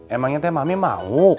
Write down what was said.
emangnya te mami mau